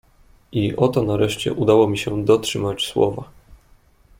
"I oto nareszcie udało mi się dotrzymać słowa."